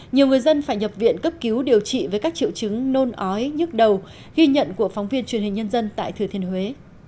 nhiều người dân phải nhập viện cấp cứu điều trị với các triệu chứng nôn ói nhức đầu ghi nhận của phóng viên truyền hình nhân dân tại thừa thiên huế